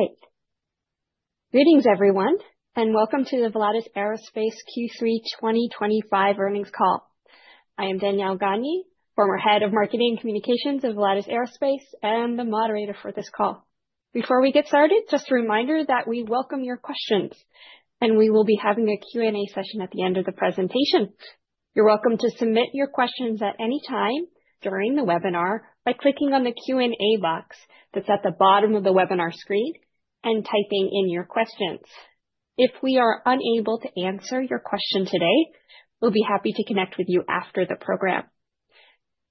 All right. Greetings, everyone, and welcome to the Volatus Aerospace Q3 2025 Earnings call. I am Danielle Gagne, former head of marketing and communications at Volatus Aerospace, and the moderator for this call. Before we get started, just a reminder that we welcome your questions, and we will be having a Q&A session at the end of the presentation. You're welcome to submit your questions at any time during the webinar by clicking on the Q&A box that's at the bottom of the webinar screen and typing in your questions. If we are unable to answer your question today, we'll be happy to connect with you after the program.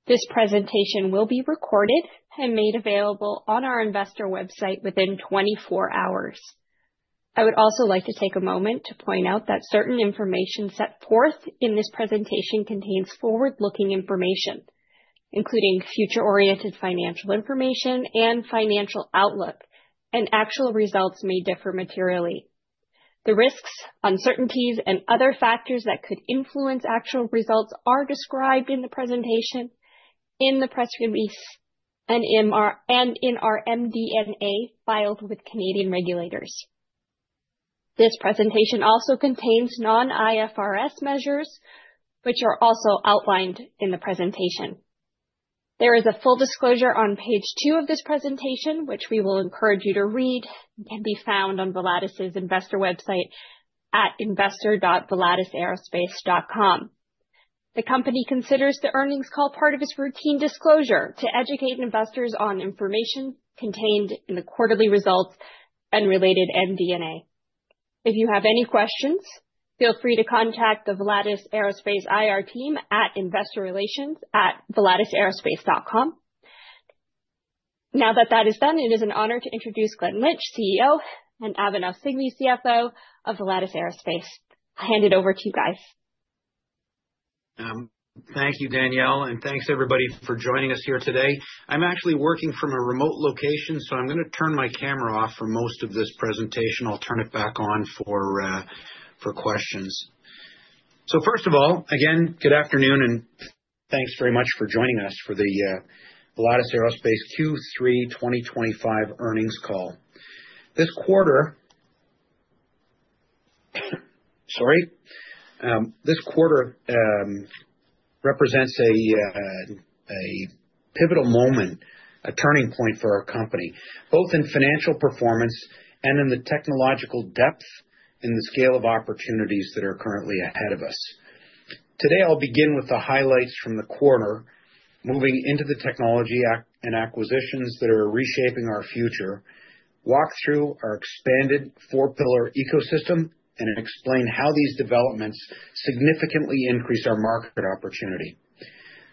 This presentation will be recorded and made available on our Investor website within 24 hours. I would also like to take a moment to point out that certain information set forth in this presentation contains forward-looking information, including future-oriented financial information and financial outlook, and actual results may differ materially. The risks, uncertainties, and other factors that could influence actual results are described in the presentation, in the press release, and in our MD&A filed with Canadian regulators. This presentation also contains non-IFRS measures, which are also outlined in the presentation. There is a full disclosure on page two of this presentation, which we will encourage you to read and can be found on Volatus's Investor website at investor.volatusaerospace.com. The company considers the earnings call part of its routine disclosure to educate investors on information contained in the quarterly results and related MD&A. If you have any questions, feel free to contact the Volatus Aerospace IR team at investorrelations@volatusaerospace.com. Now that that is done, it is an honor to introduce Glen Lynch, CEO, and Abhinav Singhvi, CFO of Volatus Aerospace. I'll hand it over to you guys. Thank you, Danielle, and thanks, everybody, for joining us here today. I'm actually working from a remote location, so I'm going to turn my camera off for most of this presentation. I'll turn it back on for questions. So first of all, again, good afternoon and thanks very much fo r joining us for the Volatus Aerospace Q3 2025 earnings call. This quarter represents a pivotal moment, a turning point for our company, both in financial performance and in the technological depth and the scale of opportunities that are currently ahead of us. Today, I'll begin with the highlights from the quarter, moving into the technology and acquisitions that are reshaping our future, walk through our expanded four-pillar ecosystem, and explain how these developments significantly increase our market opportunity.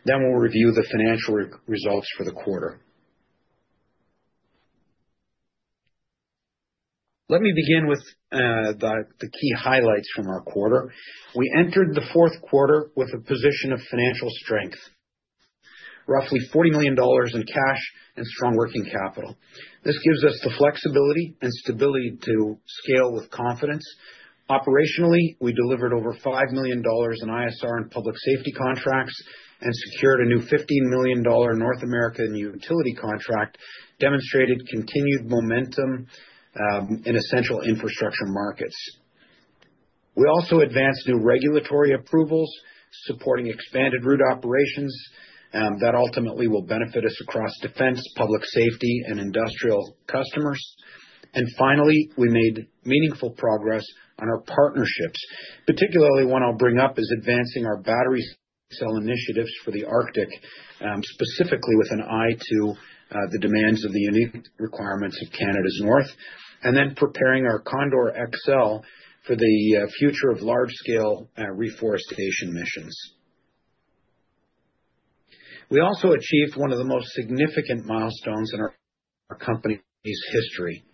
Then we'll review the financial results for the quarter. Let me begin with the key highlights from our quarter. We entered the fourth quarter with a position of financial strength, roughly 40 million dollars in cash and strong working capital. This gives us the flexibility and stability to scale with confidence. Operationally, we delivered over 5 million dollars in ISR and public safety contracts and secured a new 15 million dollar North American utility contract, demonstrating continued momentum in essential infrastructure markets. We also advanced new regulatory approvals, supporting expanded route operations that ultimately will benefit us across defense, public safety, and industrial customers. And finally, we made meaningful progress on our partnerships, particularly one I'll bring up is advancing our battery cell initiatives for the Arctic, specifically with an eye to the demands of the unique requirements of Canada's north, and then preparing our Condor XL for the future of large-scale reforestation missions. We also achieved one of the most significant milestones in our company's history,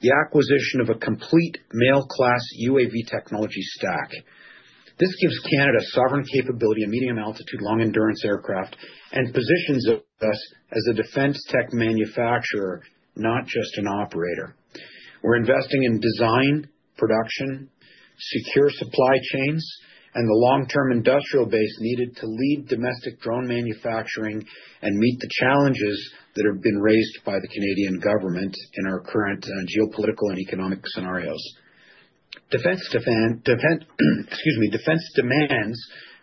the acquisition of a complete MALE-class UAV technology stack. This gives Canada sovereign capability of medium altitude, long endurance aircraft and positions us as a defense tech manufacturer, not just an operator. We're investing in design, production, secure supply chains, and the long-term industrial base needed to lead domestic drone manufacturing and meet the challenges that have been raised by the Canadian government in our current geopolitical and economic scenarios. Defense demands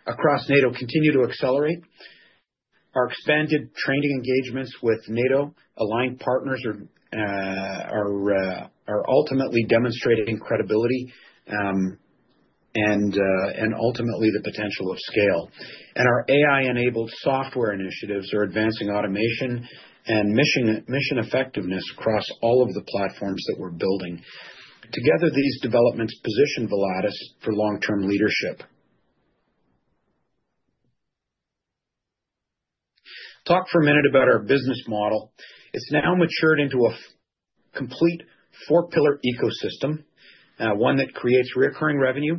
across NATO continue to accelerate. Our expanded training engagements with NATO-aligned partners are ultimately demonstrating credibility and ultimately the potential of scale. And our AI-enabled software initiatives are advancing automation and mission effectiveness across all of the platforms that we're building. Together, these developments position Volatus for long-term leadership. Talk for a minute about our business model. It's now matured into a complete four-pillar ecosystem, one that creates recurring revenue,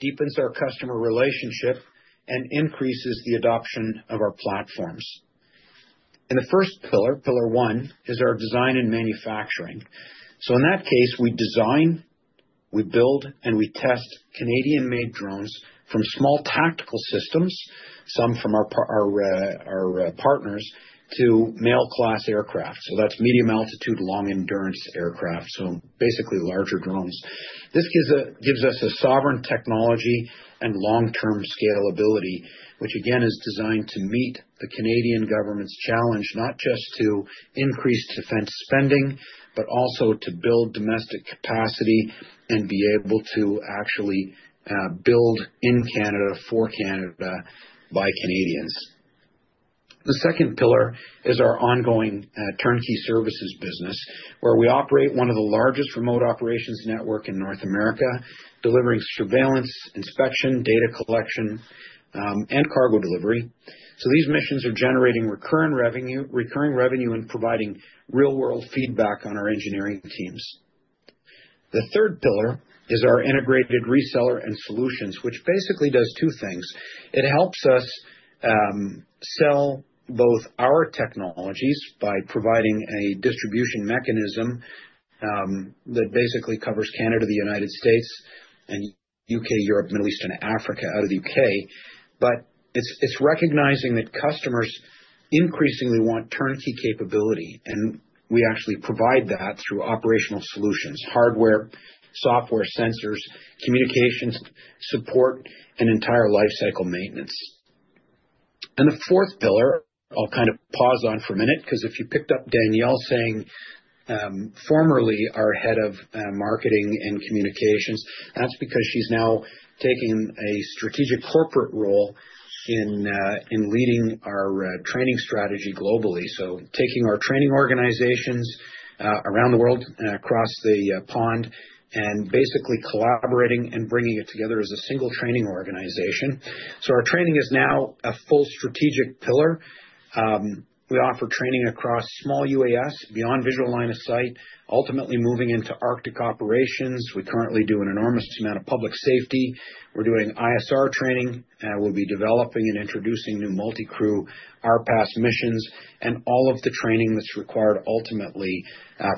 deepens our customer relationship, and increases the adoption of our platforms. And the first pillar, pillar one, is our design and manufacturing. So in that case, we design, we build, and we test Canadian-made drones from small tactical systems, some from our partners, to MALE-class aircraft. So that's medium-altitude, long-endurance aircraft, so basically larger drones. This gives us a sovereign technology and long-term scalability, which again is designed to meet the Canadian government's challenge, not just to increase defense spending, but also to build domestic capacity and be able to actually build in Canada, for Canada, by Canadians. The second pillar is our ongoing turnkey services business, where we operate one of the largest remote operations networks in North America, delivering surveillance, inspection, data collection, and cargo delivery. So these missions are generating recurring revenue and providing real-world feedback on our engineering teams. The third pillar is our integrated reseller and solutions, which basically does two things. It helps us sell both our technologies by providing a distribution mechanism that basically covers Canada, the United States, and U.K., Europe, Middle East, and Africa out of the U.K. But it's recognizing that customers increasingly want turnkey capability, and we actually provide that through operational solutions: hardware, software, sensors, communications, support, and entire lifecycle maintenance. And the fourth pillar, I'll kind of pause on for a minute, because if you picked up Danielle saying formerly our head of marketing and communications, that's because she's now taking a strategic corporate role in leading our training strategy globally. So taking our training organizations around the world, across the pond, and basically collaborating and bringing it together as a single training organization. So our training is now a full strategic pillar. We offer training across small UAS, beyond visual line of sight, ultimately moving into Arctic operations. We currently do an enormous amount of public safety. We're doing ISR training. We'll be developing and introducing new multi-crew RPAS missions and all of the training that's required ultimately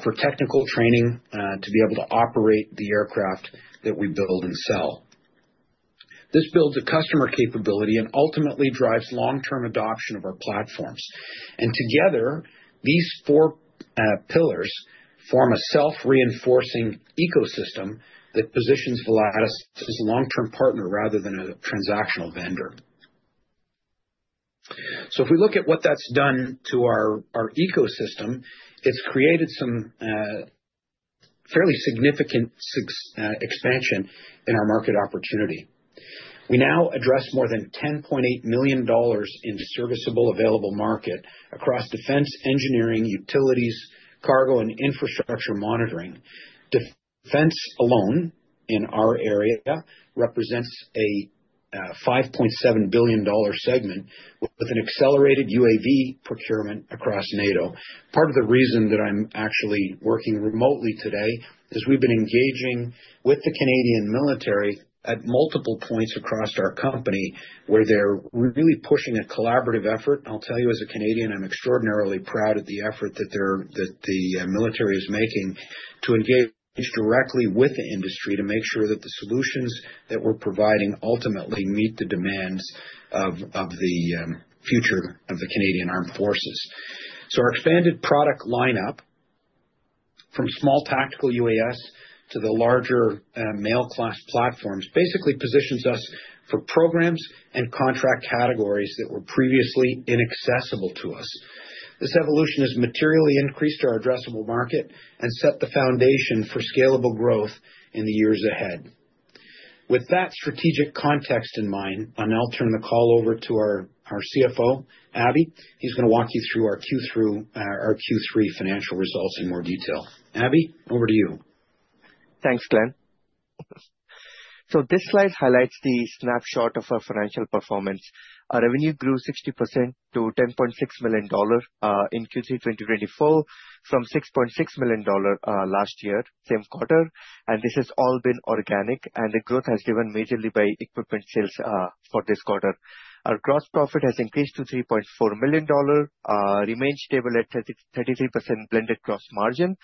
for technical training to be able to operate the aircraft that we build and sell. This builds a customer capability and ultimately drives long-term adoption of our platforms. And together, these four pillars form a self-reinforcing ecosystem that positions Volatus as a long-term partner rather than a transactional vendor. So if we look at what that's done to our ecosystem, it's created some fairly significant expansion in our market opportunity. We now address more than 10.8 million dollars in serviceable available market across defense, engineering, utilities, cargo, and infrastructure monitoring. Defense alone in our area represents a 5.7 billion dollar segment with an accelerated UAV procurement across NATO. Part of the reason that I'm actually working remotely today is we've been engaging with the Canadian military at multiple points across our company where they're really pushing a collaborative effort. I'll tell you, as a Canadian, I'm extraordinarily proud of the effort that the military is making to engage directly with the industry to make sure that the solutions that we're providing ultimately meet the demands of the future of the Canadian Armed Forces. So our expanded product lineup, from small tactical UAS to the larger MALE-class platforms, basically positions us for programs and contract categories that were previously inaccessible to us. This evolution has materially increased our addressable market and set the foundation for scalable growth in the years ahead. With that strategic context in mind, I'll turn the call over to our CFO, Abhi. He's going to walk you through our Q3 financial results in more detail. Abhi, over to you. Thanks, Glen. So this slide highlights the snapshot of our financial performance. Our revenue grew 60% to 10.6 million dollar in Q3 2024 from 6.6 million dollar last year, same quarter. And this has all been organic, and the growth has driven majorly by equipment sales for this quarter. Our gross profit has increased to 3.4 million dollar, remains stable at 33% blended gross margin,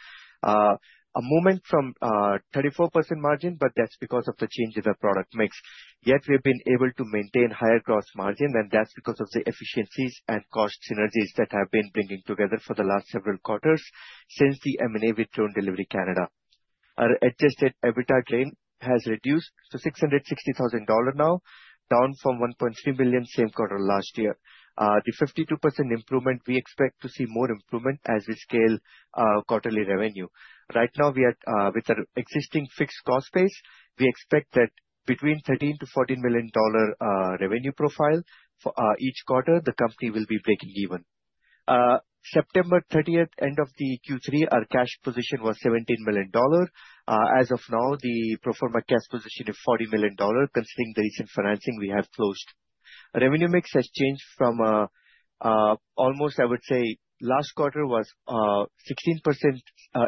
away from 34% margin, but that's because of the change in the product mix. Yet we've been able to maintain higher gross margin, and that's because of the efficiencies and cost synergies that have been bringing together for the last several quarters since the M&A with Drone Delivery Canada. Our Adjusted EBITDA loss has reduced to 660,000 dollar now, down from 1.3 million, same quarter last year. The 52% improvement, we expect to see more improvement as we scale quarterly revenue. Right now, with our existing fixed cost base, we expect that between 13 million to 14 million dollar revenue profile each quarter, the company will be breaking even. September 30th, end of the Q3, our cash position was 17 million dollar. As of now, the pro forma cash position is 40 million dollar, considering the recent financing we have closed. Revenue mix has changed from almost, I would say, last quarter was 16%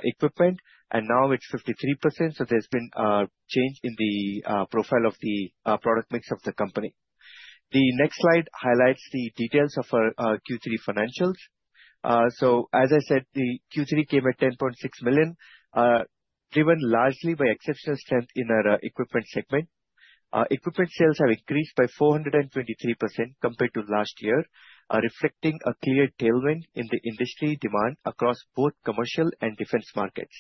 equipment, and now it's 53%. So there's been a change in the profile of the product mix of the company. The next slide highlights the details of our Q3 financials. So as I said, the Q3 came at 10.6 million, driven largely by exceptional strength in our equipment segment. Equipment sales have increased by 423% compared to last year, reflecting a clear tailwind in the industry demand across both commercial and defense markets.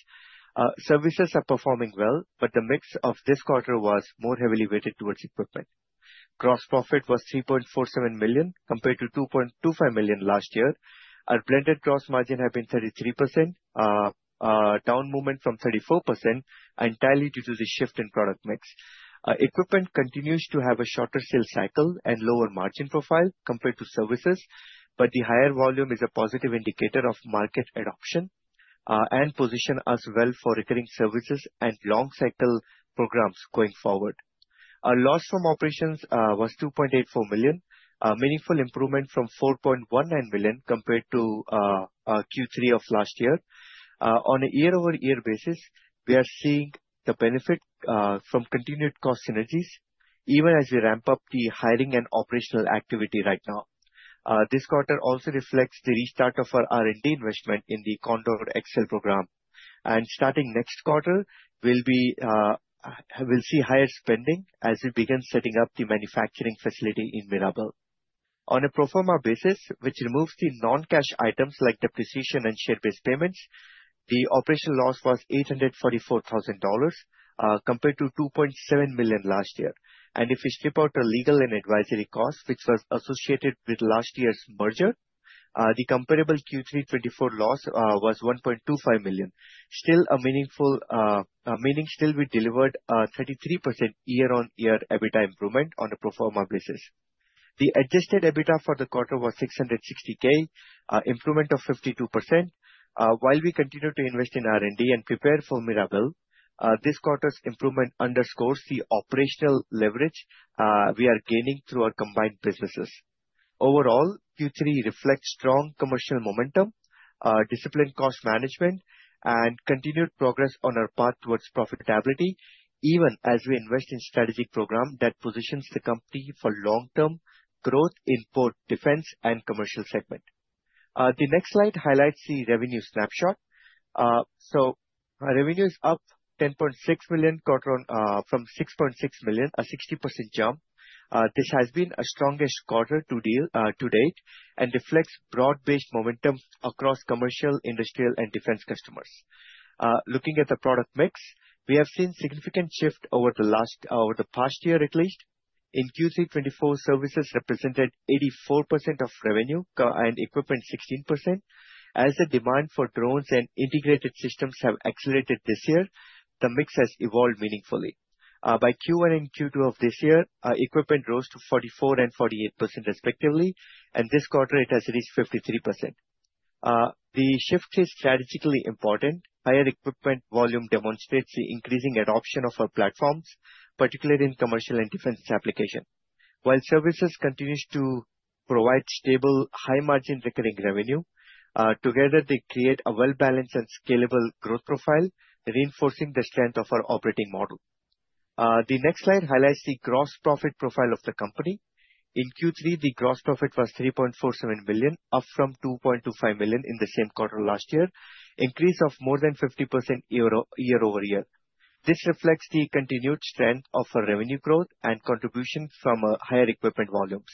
Services are performing well, but the mix of this quarter was more heavily weighted towards equipment. Gross profit was 3.47 million compared to 2.25 million last year. Our blended gross margin has been 33%, down movement from 34%, entirely due to the shift in product mix. Equipment continues to have a shorter sales cycle and lower margin profile compared to services, but the higher volume is a positive indicator of market adoption and position as well for recurring services and long-cycle programs going forward. Our loss from operations was 2.84 million, meaningful improvement from 4.19 million compared to Q3 of last year. On a year-over-year basis, we are seeing the benefit from continued cost synergies, even as we ramp up the hiring and operational activity right now. This quarter also reflects the restart of our R&D investment in the Condor XL program. Starting next quarter, we'll see higher spending as we begin setting up the manufacturing facility in Mirabel. On a pro forma basis, which removes the non-cash items like the depreciation and share-based payments, the operational loss was 844,000 dollars compared to 2.7 million last year. And if we strip out the legal and advisory costs, which were associated with last year's merger, the comparable Q3 2024 loss was CAD 1.25 million. Still, we still delivered a 33% year-on-year EBITDA improvement on a pro forma basis. The Adjusted EBITDA for the quarter was 660K, improvement of 52%. While we continue to invest in R&D and prepare for Mirabel, this quarter's improvement underscores the operational leverage we are gaining through our combined businesses. Overall, Q3 reflects strong commercial momentum, disciplined cost management, and continued progress on our path towards profitability, even as we invest in strategic programs that position the company for long-term growth in both defense and commercial segment. The next slide highlights the revenue snapshot. So revenue is up 10.6 million from 6.6 million, a 60% jump. This has been a strongest quarter to date and reflects broad-based momentum across commercial, industrial, and defense customers. Looking at the product mix, we have seen a significant shift over the past year, at least. In Q3 2024, services represented 84% of revenue and equipment 16%. As the demand for drones and integrated systems has accelerated this year, the mix has evolved meaningfully. By Q1 and Q2 of this year, equipment rose to 44% and 48%, respectively, and this quarter it has reached 53%. The shift is strategically important. Higher equipment volume demonstrates the increasing adoption of our platforms, particularly in commercial and defense applications. While services continue to provide stable, high-margin recurring revenue, together they create a well-balanced and scalable growth profile, reinforcing the strength of our operating model. The next slide highlights the gross profit profile of the company. In Q3, the gross profit was 3.47 million, up from 2.25 million in the same quarter last year, an increase of more than 50% year-over-year. This reflects the continued strength of our revenue growth and contribution from higher equipment volumes.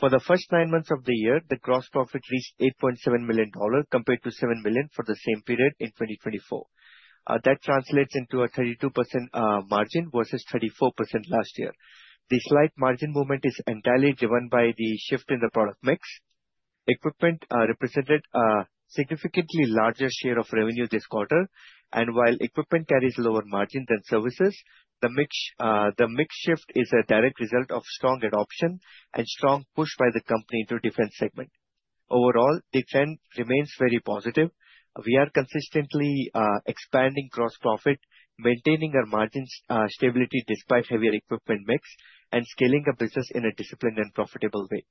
For the first nine months of the year, the gross profit reached 8.7 million dollar compared to 7 million for the same period in 2024. That translates into a 32% margin versus 34% last year. The slight margin movement is entirely driven by the shift in the product mix. Equipment represented a significantly larger share of revenue this quarter. And while equipment carries a lower margin than services, the mix shift is a direct result of strong adoption and strong push by the company into the defense segment. Overall, the trend remains very positive. We are consistently expanding gross profit, maintaining our margin stability despite heavier equipment mix, and scaling our business in a disciplined and profitable way.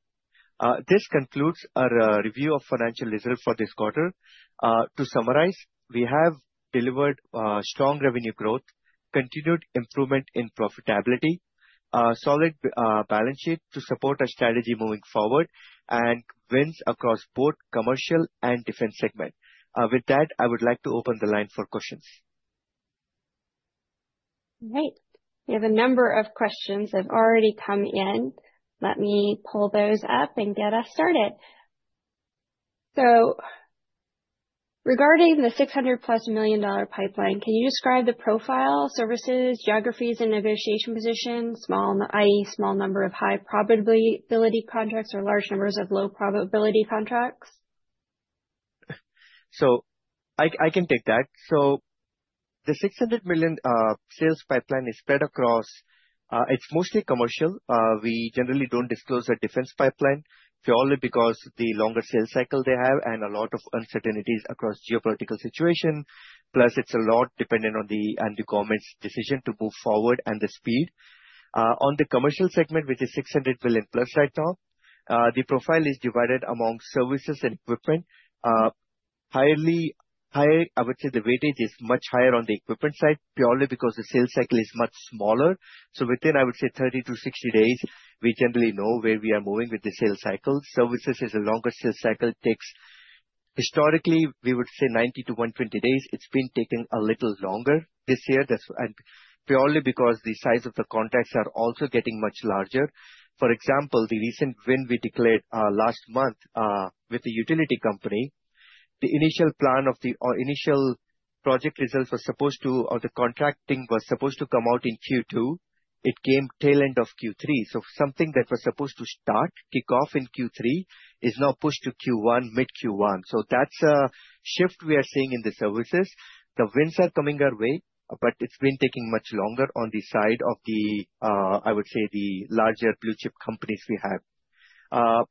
This concludes our review of financial results for this quarter. To summarize, we have delivered strong revenue growth, continued improvement in profitability, a solid balance sheet to support our strategy moving forward, and wins across both commercial and defense segments. With that, I would like to open the line for questions. All right. We have a number of questions that have already come in. Let me pull those up and get us started. So regarding the 600+ million dollar pipeline, can you describe the profile, services, geographies, and negotiation positions, i.e., small number of high-probability contracts or large numbers of low-probability contracts? So I can take that. So the 600 million sales pipeline is spread across, it's mostly commercial. We generally don't disclose a defense pipeline purely because of the longer sales cycle they have and a lot of uncertainties across geopolitical situations. Plus, it's a lot dependent on the government's decision to move forward and the speed. On the commercial segment, which is 600 million plus right now, the profile is divided among services and equipment. I would say the weightage is much higher on the equipment side purely because the sales cycle is much smaller. So within, I would say, 30 to 60 days, we generally know where we are moving with the sales cycle. Services is a longer sales cycle. Historically, we would say 90 to 120 days. It's been taking a little longer this year, purely because the size of the contracts is also getting much larger. For example, the recent win we declared last month with the utility company, the initial plan of the initial project results was supposed to, or the contracting was supposed to come out in Q2. It came tail-end of Q3. So something that was supposed to start, kick off in Q3, is now pushed to Q1, mid-Q1. So that's a shift we are seeing in the services. The wins are coming our way, but it's been taking much longer on the side of the, I would say, the larger blue-chip companies we have.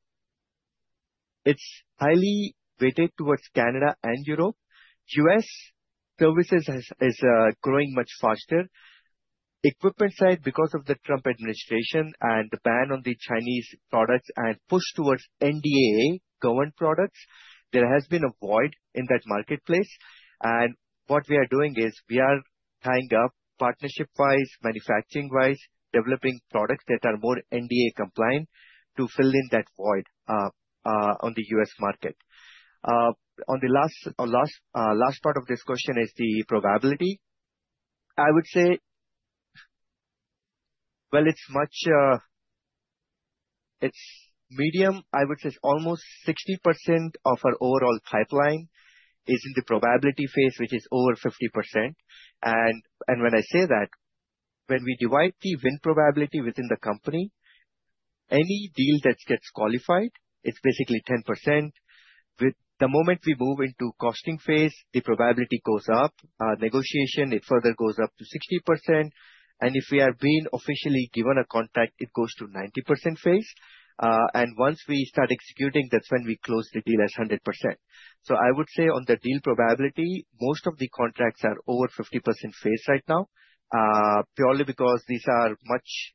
It's highly weighted towards Canada and Europe. U.S. services is growing much faster. Equipment side, because of the Trump administration and the ban on the Chinese products and push towards NDAA-governed products, there has been a void in that marketplace. And what we are doing is we are tying up partnership-wise, manufacturing-wise, developing products that are more NDA-compliant to fill in that void on the U.S. market. On the last part of this question is the probability. I would say, well, it's medium. I would say it's almost 60% of our overall pipeline is in the probability phase, which is over 50%. And when I say that, when we divide the win probability within the company, any deal that gets qualified, it's basically 10%. The moment we move into the costing phase, the probability goes up. Negotiation, it further goes up to 60%. And if we are being officially given a contract, it goes to the 90% phase. And once we start executing, that's when we close the deal as 100%. So I would say on the deal probability, most of the contracts are over 50% phase right now, purely because these are much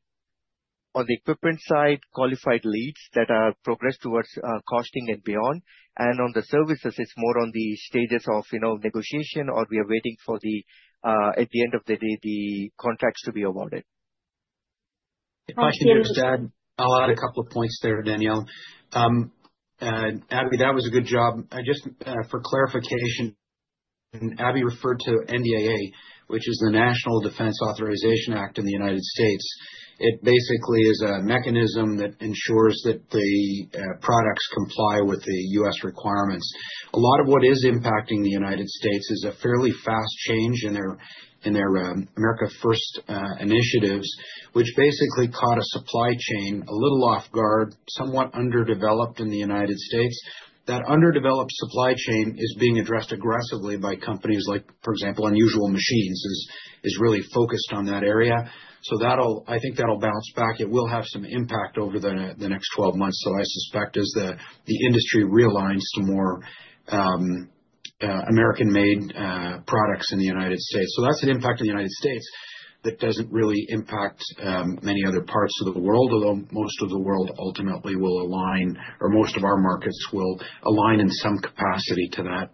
on the equipment side, qualified leads that are progressed towards costing and beyond. And on the services, it's more on the stages of negotiation, or we are waiting for, at the end of the day, the contracts to be awarded. Thank you. Thank you. I'll add a couple of points there, Danielle. Abhi, that was a good job. Just for clarification, Abby referred to NDAA, which is the National Defense Authorization Act in the United States. It basically is a mechanism that ensures that the products comply with the U.S. requirements. A lot of what is impacting the United States is a fairly fast change in their America First initiatives, which basically caught a supply chain a little off guard, somewhat underdeveloped in the United States. That underdeveloped supply chain is being addressed aggressively by companies like, for example, Unusual Machines is really focused on that area. So I think that'll bounce back. It will have some impact over the next 12 months, so I suspect as the industry realigns to more American-made products in the United States. So that's an impact in the United States that doesn't really impact many other parts of the world, although most of the world ultimately will align, or most of our markets will align in some capacity to that.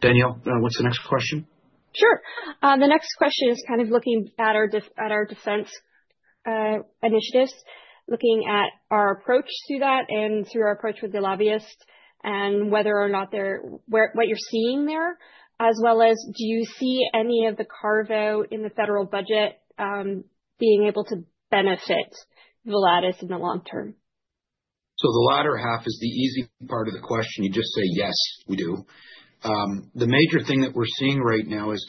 Danielle, what's the next question? Sure. The next question is kind of looking at our defense initiatives, looking at our approach to that and through our approach with the lobbyists and whether or not what you're seeing there, as well as do you see any of the carve-out in the federal budget being able to benefit Volatus in the long term? So the latter half is the easy part of the question. You just say, "Yes, we do." The major thing that we're seeing right now is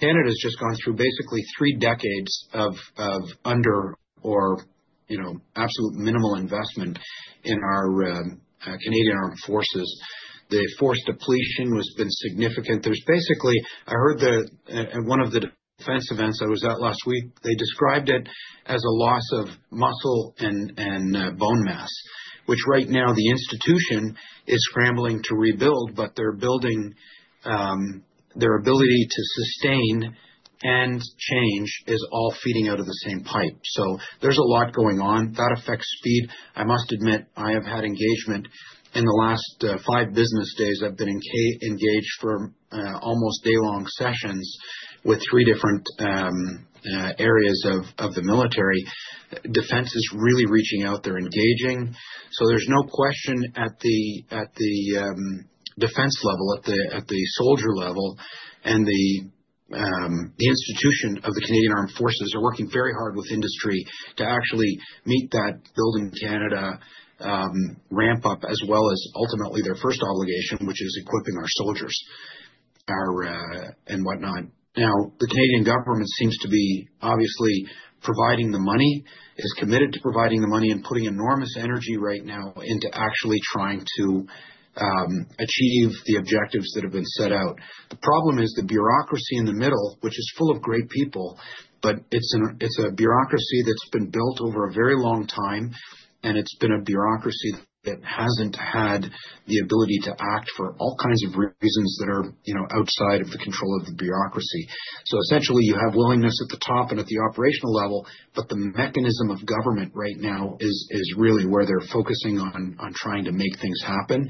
Canada has just gone through basically three decades of under or absolute minimal investment in our Canadian Armed Forces. The force depletion has been significant. There's basically, I heard one of the defense events I was at last week, they described it as a loss of muscle and bone mass, which right now the institution is scrambling to rebuild, but their ability to sustain and change is all feeding out of the same pipe. So there's a lot going on. That affects speed. I must admit, I have had engagement in the last five business days. I've been engaged for almost day-long sessions with three different areas of the military. Defense is really reaching out. They're engaging. So there's no question at the defense level, at the soldier level, and the institution of the Canadian Armed Forces are working very hard with industry to actually meet that Building Canada ramp-up, as well as ultimately their first obligation, which is equipping our soldiers and whatnot. Now, the Canadian government seems to be obviously providing the money, is committed to providing the money, and putting enormous energy right now into actually trying to achieve the objectives that have been set out. The problem is the bureaucracy in the middle, which is full of great people, but it's a bureaucracy that's been built over a very long time, and it's been a bureaucracy that hasn't had the ability to act for all kinds of reasons that are outside of the control of the bureaucracy. So essentially, you have willingness at the top and at the operational level, but the mechanism of government right now is really where they're focusing on trying to make things happen.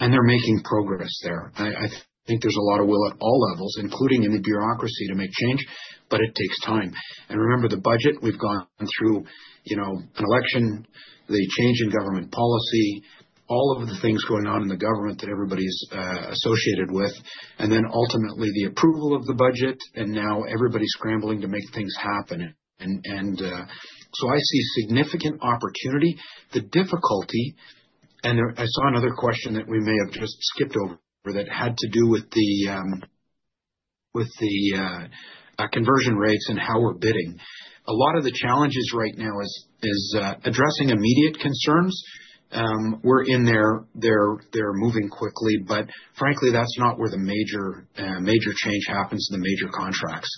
And they're making progress there. I think there's a lot of will at all levels, including in the bureaucracy, to make change, but it takes time. And remember the budget. We've gone through an election, the change in government policy, all of the things going on in the government that everybody's associated with, and then ultimately the approval of the budget, and now everybody's scrambling to make things happen. And so I see significant opportunity. The difficulty, and I saw another question that we may have just skipped over that had to do with the conversion rates and how we're bidding. A lot of the challenges right now is addressing immediate concerns. We're in there moving quickly, but frankly, that's not where the major change happens in the major contracts,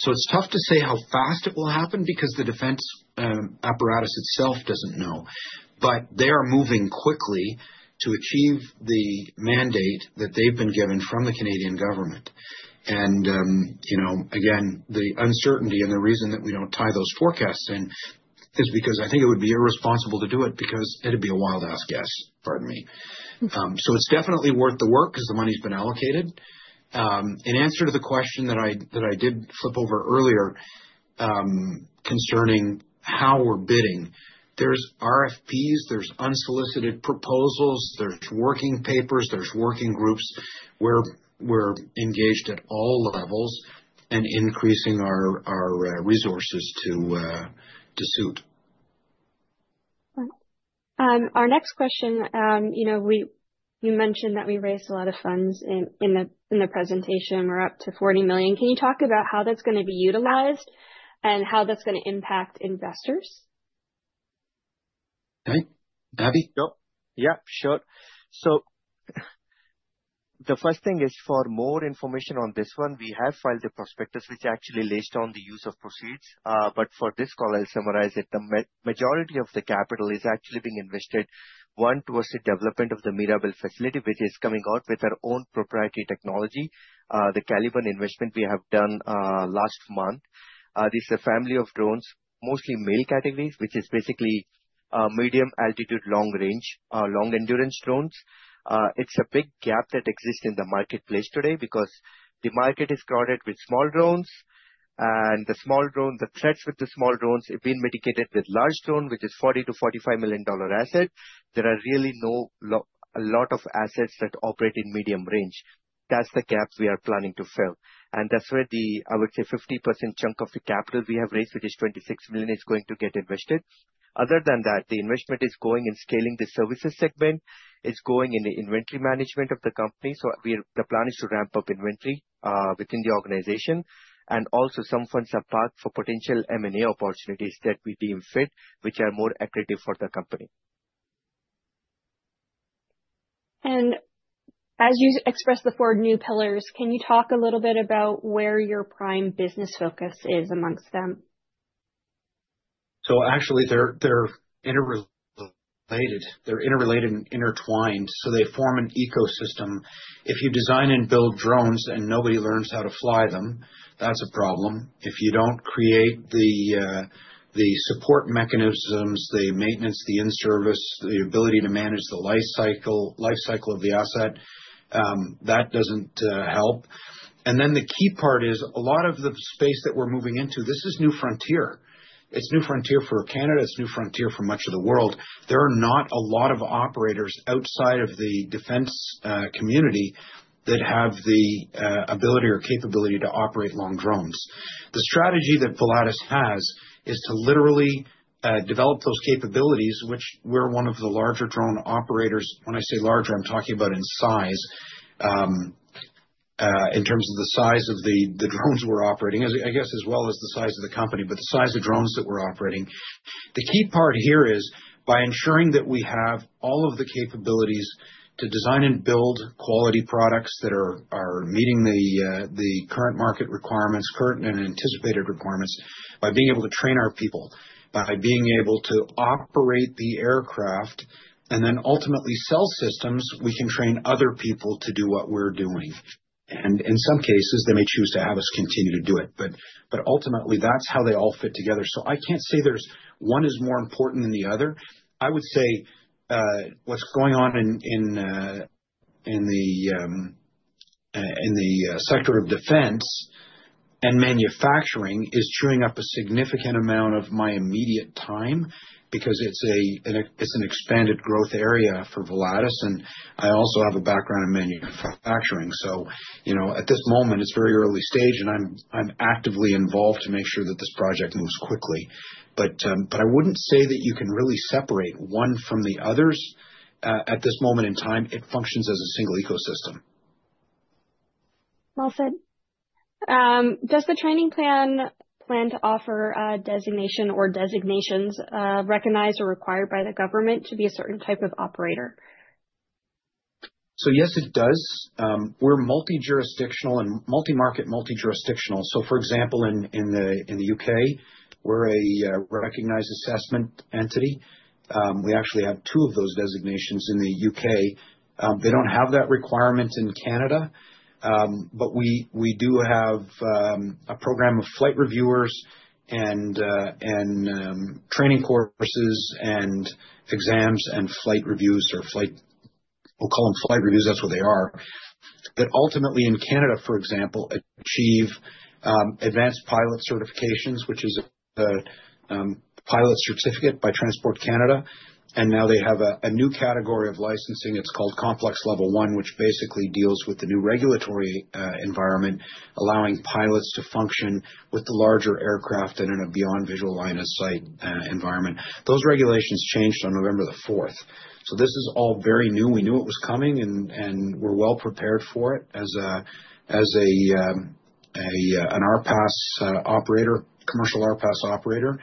so it's tough to say how fast it will happen because the defense apparatus itself doesn't know, but they are moving quickly to achieve the mandate that they've been given from the Canadian government, and again, the uncertainty and the reason that we don't tie those forecasts in is because I think it would be irresponsible to do it because it'd be a wild-ass guess, pardon me, so it's definitely worth the work because the money's been allocated. In answer to the question that I did flip over earlier concerning how we're bidding, there's RFPs, there's unsolicited proposals, there's working papers, there's working groups where we're engaged at all levels and increasing our resources to suit. Our next question, you mentioned that we raised a lot of funds in the presentation. We're up to 40 million. Can you talk about how that's going to be utilized and how that's going to impact investors? Abhi? Yep. Yeah, sure. The first thing is for more information on this one, we have filed the prospectus, which actually lays down the use of proceeds. But for this call, I'll summarize it. The majority of the capital is actually being invested one towards the development of the Mirabel facility, which is coming out with our own proprietary technology, the Caliban investment we have done last month. This is a family of drones, mostly MALE categories, which is basically medium altitude, long range, long endurance drones. It's a big gap that exists in the marketplace today because the market is crowded with small drones, and the threats with the small drones have been mitigated with large drones, which is $40-$45 million assets. There are really not a lot of assets that operate in medium range. That's the gap we are planning to fill. And that's where the, I would say, 50% chunk of the capital we have raised, which is 26 million, is going to get invested. Other than that, the investment is going in scaling the services segment. It's going in the inventory management of the company. So the plan is to ramp up inventory within the organization. And also, some funds are parked for potential M&A opportunities that we deem fit, which are more accurate for the company. And as you express the four new pillars, can you talk a little bit about where your prime business focus is among them? Actually, they're interrelated. They're interrelated and intertwined. So they form an ecosystem. If you design and build drones and nobody learns how to fly them, that's a problem. If you don't create the support mechanisms, the maintenance, the in-service, the ability to manage the life cycle of the asset, that doesn't help. And then the key part is a lot of the space that we're moving into, this is new frontier. It's new frontier for Canada. It's new frontier for much of the world. There are not a lot of operators outside of the defense community that have the ability or capability to operate long drones. The strategy that Volatus has is to literally develop those capabilities, which we're one of the larger drone operators. When I say larger, I'm talking about in size, in terms of the size of the drones we're operating, I guess, as well as the size of the company, but the size of drones that we're operating. The key part here is by ensuring that we have all of the capabilities to design and build quality products that are meeting the current market requirements, current and anticipated requirements, by being able to train our people, by being able to operate the aircraft, and then ultimately sell systems, we can train other people to do what we're doing. And in some cases, they may choose to have us continue to do it. But ultimately, that's how they all fit together. So I can't say one is more important than the other. I would say what's going on in the sector of defense and manufacturing is chewing up a significant amount of my immediate time because it's an expanded growth area for Volatus, and I also have a background in manufacturing. So at this moment, it's very early stage, and I'm actively involved to make sure that this project moves quickly. But I wouldn't say that you can really separate one from the others at this moment in time. It functions as a single ecosystem. Well said. Does the training plan to offer a designation or designations recognized or required by the government to be a certain type of operator? So yes, it does. We're multi-jurisdictional and multi-market, multi-jurisdictional. So for example, in the U.K., we're a recognized assessment entity. We actually have two of those designations in the U.K. They don't have that requirement in Canada, but we do have a program of flight reviewers and training courses and exams and flight reviews or flight. We'll call them flight reviews. That's what they are, that ultimately in Canada, for example, achieve advanced pilot certifications, which is a pilot certificate by Transport Canada. And now they have a new category of licensing. It's called Complex Level One, which basically deals with the new regulatory environment, allowing pilots to function with the larger aircraft in a beyond visual line of sight environment. Those regulations changed on November the 4th. So this is all very new. We knew it was coming, and we're well prepared for it as a commercial RPAS operator.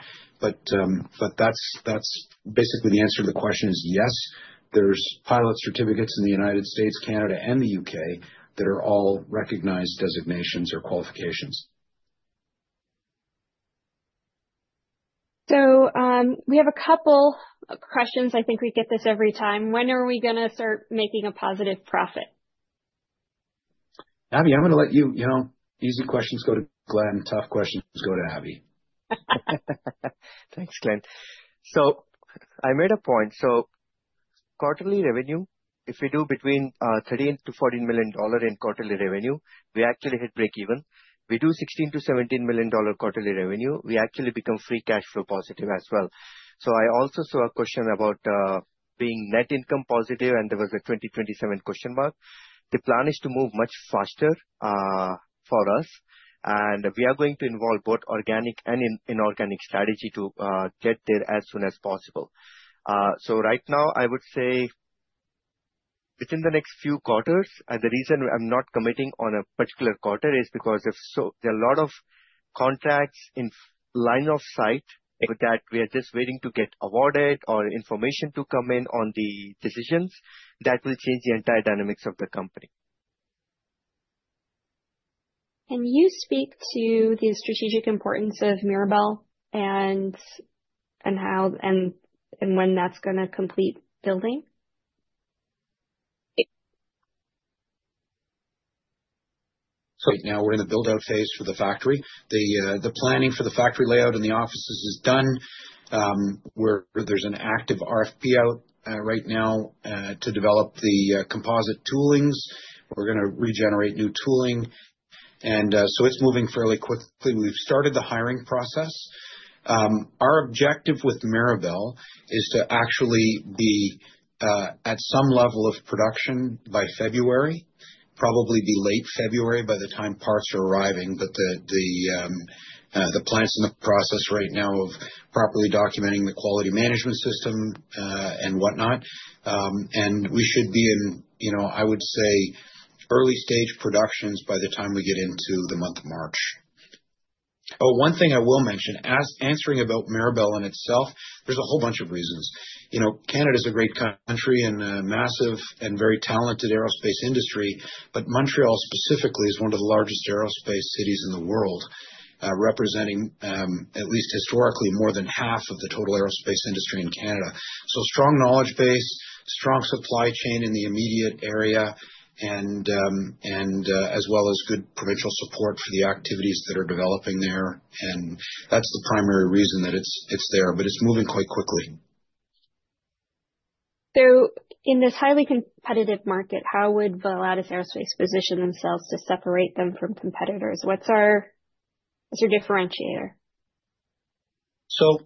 But that's basically the answer to the question: yes. There's pilot certificates in the United States, Canada, and the U.K. that are all recognized designations or qualifications. We have a couple of questions. I think we get this every time. When are we going to start making a positive profit? Abhi, I'm going to let you easy questions go to Glenn. Tough questions go to Abhi. Thanks, Glen. So I made a point. So quarterly revenue, if we do between 30 million-40 million dollar in quarterly revenue, we actually hit break-even. We do 16 million-17 million dollar quarterly revenue. We actually become free cash flow positive as well. So I also saw a question about being net income positive, and there was a 2027 question mark. The plan is to move much faster for us, and we are going to involve both organic and inorganic strategy to get there as soon as possible. So right now, I would say within the next few quarters, and the reason I'm not committing on a particular quarter is because there are a lot of contracts in line of sight that we are just waiting to get awarded or information to come in on the decisions that will change the entire dynamics of the company. Can you speak to the strategic importance of Mirabel and when that's going to complete building? Right now, we're in the build-out phase for the factory. The planning for the factory layout and the offices is done. There's an active RFP out right now to develop the composite toolings. We're going to regenerate new tooling, and so it's moving fairly quickly. We've started the hiring process. Our objective with Mirabel is to actually be at some level of production by February, probably late February by the time parts are arriving, but the plans are in the process right now of properly documenting the quality management system and whatnot, and we should be in, I would say, early stage productions by the time we get into the month of March. Oh, one thing I will mention, answering about Mirabel in itself, there's a whole bunch of reasons. Canada is a great country and a massive and very talented aerospace industry, but Montreal specifically is one of the largest aerospace cities in the world, representing at least historically more than half of the total aerospace industry in Canada, so strong knowledge base, strong supply chain in the immediate area, and as well as good provincial support for the activities that are developing there, and that's the primary reason that it's there, but it's moving quite quickly. So in this highly competitive market, how would Volatus Aerospace position themselves to separate them from competitors? What's your differentiator? So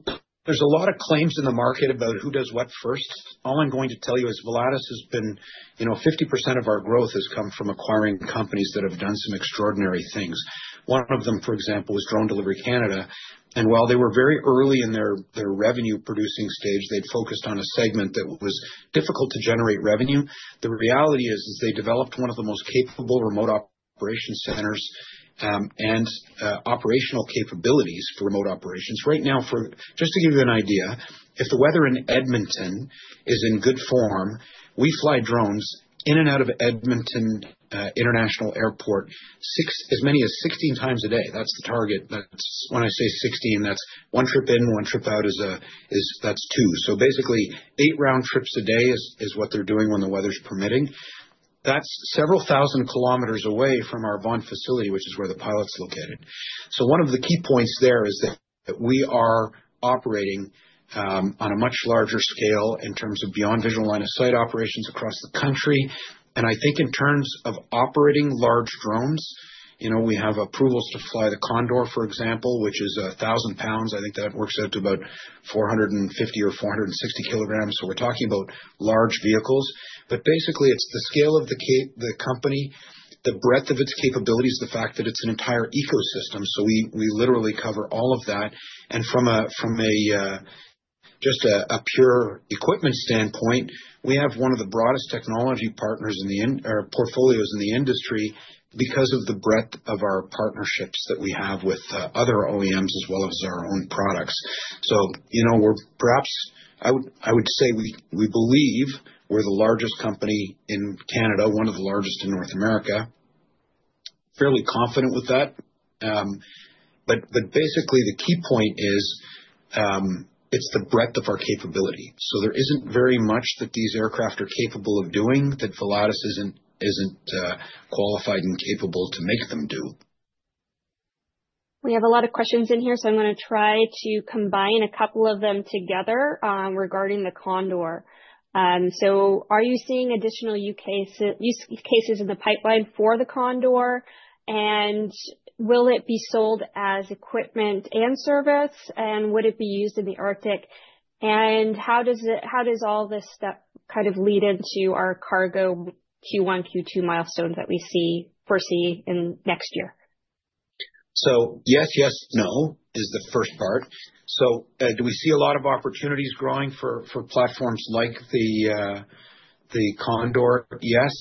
there's a lot of claims in the market about who does what first. All I'm going to tell you is Volatus has been. 50% of our growth has come from acquiring companies that have done some extraordinary things. One of them, for example, is Drone Delivery Canada. And while they were very early in their revenue-producing stage, they'd focused on a segment that was difficult to generate revenue. The reality is they developed one of the most capable remote operation centers and operational capabilities for remote operations. Right now, just to give you an idea, if the weather in Edmonton is in good form, we fly drones in and out of Edmonton International Airport as many as 16 times a day. That's the target. When I say 16, that's one trip in, one trip out, that's two. So basically, eight round trips a day is what they're doing when the weather's permitting. That's several thousand kilometers away from our Vaughan facility, which is where the pilot's located. So one of the key points there is that we are operating on a much larger scale in terms of beyond visual line of sight operations across the country. And I think in terms of operating large drones, we have approvals to fly the Condor, for example, which is 1,000 pounds. I think that works out to about 450 or 460 kilograms. So we're talking about large vehicles. But basically, it's the scale of the company, the breadth of its capabilities, the fact that it's an entire ecosystem. So we literally cover all of that. And from just a pure equipment standpoint, we have one of the broadest technology partners in the portfolios in the industry because of the breadth of our partnerships that we have with other OEMs as well as our own products. So perhaps I would say we believe we're the largest company in Canada, one of the largest in North America, fairly confident with that. But basically, the key point is it's the breadth of our capability. So there isn't very much that these aircraft are capable of doing that Volatus isn't qualified and capable to make them do. We have a lot of questions in here, so I'm going to try to combine a couple of them together regarding the Condor. So are you seeing additional use cases in the pipeline for the Condor? And will it be sold as equipment and service? And would it be used in the Arctic? And how does all this stuff kind of lead into our cargo Q1, Q2 milestones that we foresee in next year? So yes, yes, no is the first part. So do we see a lot of opportunities growing for platforms like the Condor? Yes.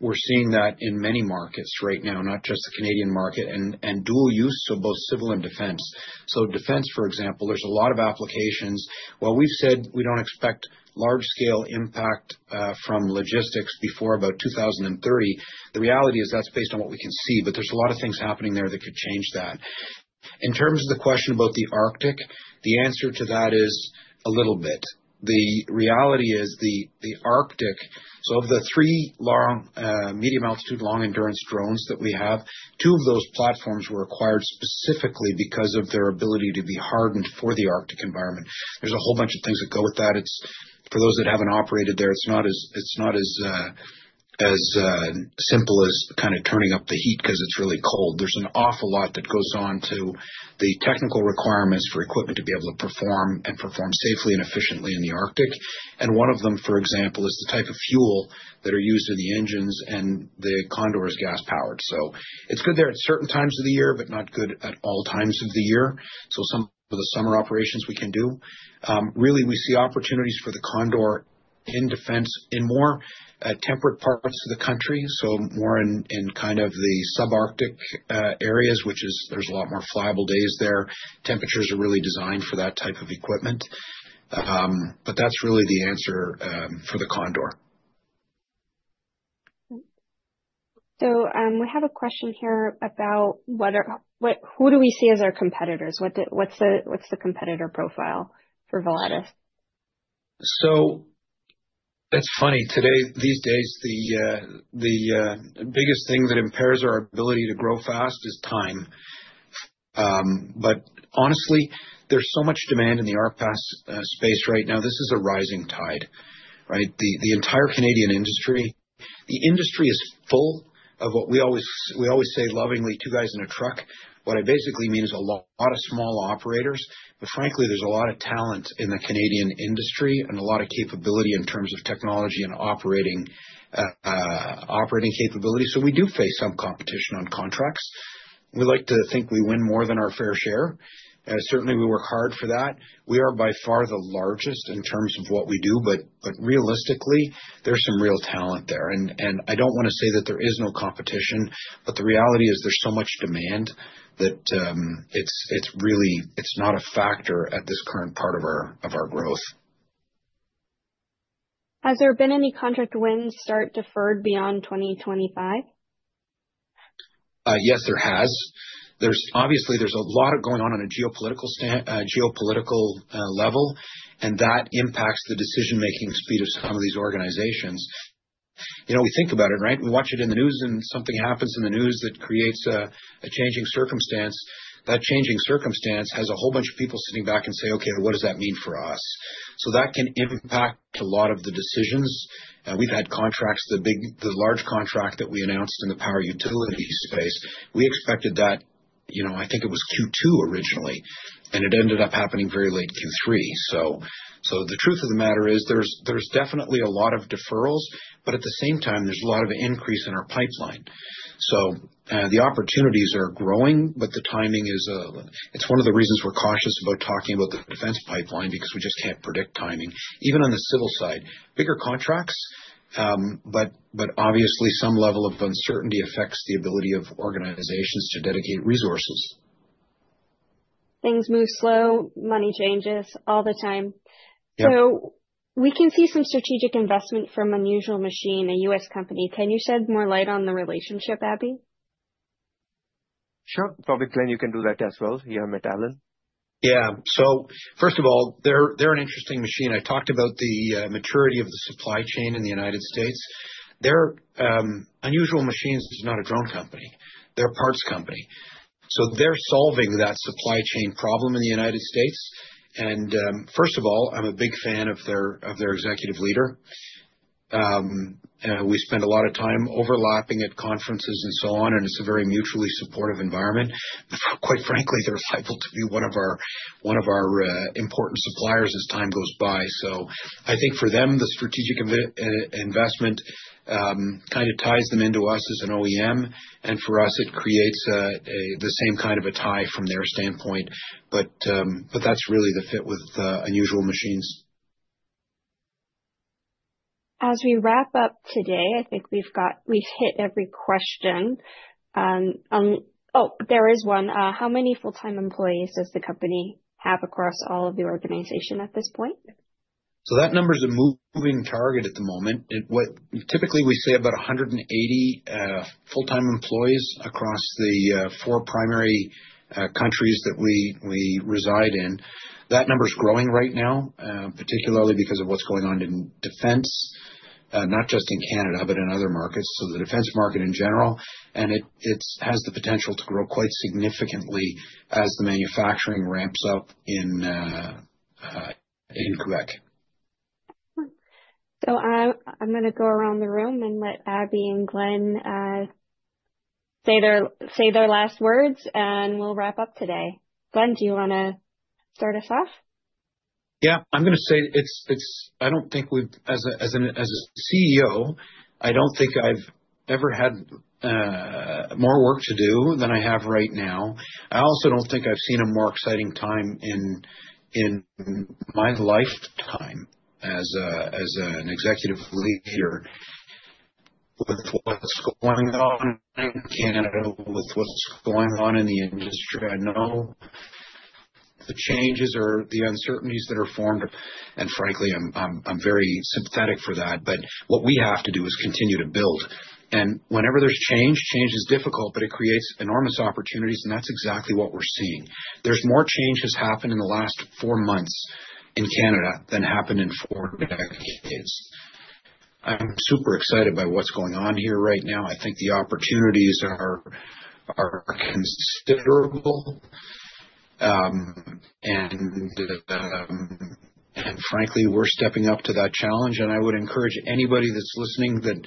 We're seeing that in many markets right now, not just the Canadian market, and dual use, so both civil and defense. So defense, for example, there's a lot of applications. Well, we've said we don't expect large-scale impact from logistics before about 2030. The reality is that's based on what we can see, but there's a lot of things happening there that could change that. In terms of the question about the Arctic, the answer to that is a little bit. The reality is the Arctic, so of the three medium altitude, long endurance drones that we have, two of those platforms were acquired specifically because of their ability to be hardened for the Arctic environment. There's a whole bunch of things that go with that. For those that haven't operated there, it's not as simple as kind of turning up the heat because it's really cold. There's an awful lot that goes on to the technical requirements for equipment to be able to perform and perform safely and efficiently in the Arctic. And one of them, for example, is the type of fuel that are used in the engines, and the Condor is gas-powered. So it's good there at certain times of the year, but not good at all times of the year. So some of the summer operations we can do. Really, we see opportunities for the Condor in defense in more temperate parts of the country, so more in kind of the sub-Arctic areas, which there's a lot more flyable days there. Temperatures are really designed for that type of equipment. But that's really the answer for the Condor. So we have a question here about who do we see as our competitors? What's the competitor profile for Volatus? So that's funny. These days, the biggest thing that impairs our ability to grow fast is time. But honestly, there's so much demand in the RPAS space right now. This is a rising tide, right? The entire Canadian industry, the industry is full of what we always say lovingly, two guys in a truck. What I basically mean is a lot of small operators, but frankly, there's a lot of talent in the Canadian industry and a lot of capability in terms of technology and operating capability. So we do face some competition on contracts. We like to think we win more than our fair share. Certainly, we work hard for that. We are by far the largest in terms of what we do, but realistically, there's some real talent there. I don't want to say that there is no competition, but the reality is there's so much demand that it's not a factor at this current part of our growth. Has there been any contract win start deferred beyond 2025? Yes, there has. Obviously, there's a lot going on on a geopolitical level, and that impacts the decision-making speed of some of these organizations. We think about it, right? We watch it in the news, and something happens in the news that creates a changing circumstance. That changing circumstance has a whole bunch of people sitting back and say, "Okay, what does that mean for us?" So that can impact a lot of the decisions. We've had contracts, the large contract that we announced in the power utility space. We expected that, I think it was Q2 originally, and it ended up happening very late Q3. So the truth of the matter is there's definitely a lot of deferrals, but at the same time, there's a lot of increase in our pipeline. The opportunities are growing, but the timing is, it's one of the reasons we're cautious about talking about the defense pipeline because we just can't predict timing. Even on the civil side, bigger contracts, but obviously, some level of uncertainty affects the ability of organizations to dedicate resources. Things move slow. Money changes all the time. So we can see some strategic investment from Unusual Machines, a U.S. company. Can you shed more light on the relationship, Abhi? Sure. Probably, Glen, you can do that as well. You have met Allen. Yeah. So first of all, they're an interesting machine. I talked about the maturity of the supply chain in the United States. Unusual Machines is not a drone company. They're a parts company. So they're solving that supply chain problem in the United States, and first of all, I'm a big fan of their executive leader. We spend a lot of time overlapping at conferences and so on, and it's a very mutually supportive environment. Quite frankly, they're liable to be one of our important suppliers as time goes by. So I think for them, the strategic investment kind of ties them into us as an OEM, and for us, it creates the same kind of a tie from their standpoint, but that's really the fit with Unusual Machines. As we wrap up today, I think we've hit every question. Oh, there is one. How many full-time employees does the company have across all of the organization at this point? So that number is a moving target at the moment. Typically, we say about 180 full-time employees across the four primary countries that we reside in. That number is growing right now, particularly because of what's going on in defense, not just in Canada, but in other markets. So the defense market in general, and it has the potential to grow quite significantly as the manufacturing ramps up in Quebec. So I'm going to go around the room and let Abhi and Glen say their last words, and we'll wrap up today. Glenn, do you want to start us off? Yeah. I'm going to say I don't think we've—as a CEO, I don't think I've ever had more work to do than I have right now. I also don't think I've seen a more exciting time in my lifetime as an executive leader with what's going on in Canada, with what's going on in the industry. I know the changes or the uncertainties that are formed, and frankly, I'm very sympathetic for that, but what we have to do is continue to build, and whenever there's change, change is difficult, but it creates enormous opportunities, and that's exactly what we're seeing. There's more changes happened in the last four months in Canada than happened in four decades. I'm super excited by what's going on here right now. I think the opportunities are considerable, and frankly, we're stepping up to that challenge. I would encourage anybody that's listening that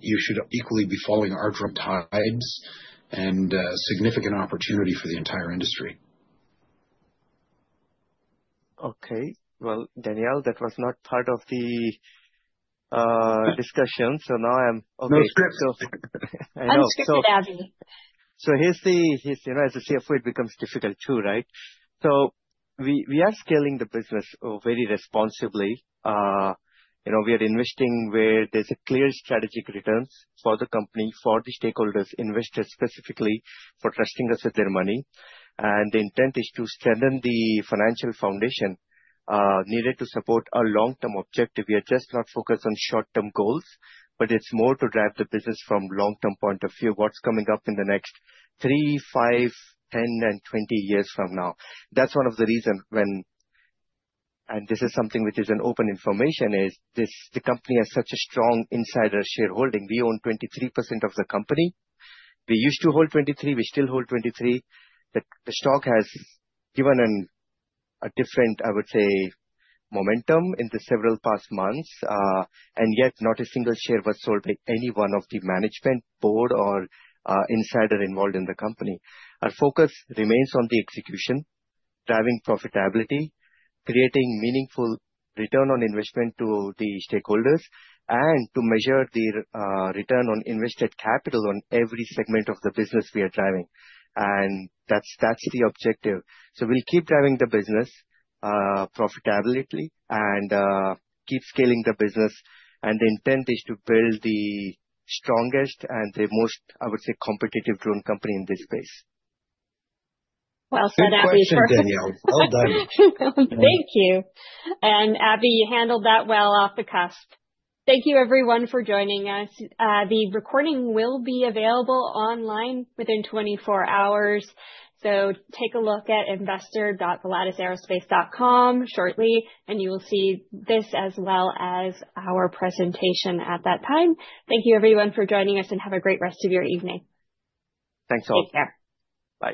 you should equally be following our ties and significant opportunity for the entire industry. Okay. Well, Danielle, that was not part of the discussion. So now I'm okay. No scripts. No scripts, Abhi. So here's the, as a CFO, it becomes difficult too, right? We are scaling the business very responsibly. We are investing where there's a clear strategic return for the company, for the stakeholders, investors specifically for trusting us with their money. And the intent is to strengthen the financial foundation needed to support a long-term objective. We are just not focused on short-term goals, but it's more to drive the business from a long-term point of view, what's coming up in the next three, five, 10, and 20 years from now. That's one of the reasons when, and this is something which is an open information, is the company has such a strong insider shareholding. We own 23% of the company. We used to hold 23%. We still hold 23%. The stock has given a different, I would say, momentum in the several past months, and yet not a single share was sold by any one of the management board or insider involved in the company. Our focus remains on the execution, driving profitability, creating meaningful return on investment to the stakeholders, and to measure the return on invested capital on every segment of the business we are driving. And that's the objective. So we'll keep driving the business profitability and keep scaling the business. And the intent is to build the strongest and the most, I would say, competitive drone company in this space. Well said, Abhi. Thank you, Danielle. Well done. Thank you. And Abhi, you handled that well off the cuff. Thank you, everyone, for joining us. The recording will be available online within 24 hours. So take a look at investor.volatusaerospace.com shortly, and you will see this as well as our presentation at that time. Thank you, everyone, for joining us, and have a great rest of your evening. Thanks all. Take care. Bye.